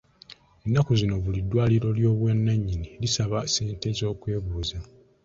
Ennaku zino buli ddwaliro ery'obwannannyini lisaba ssente z'okwebuuza.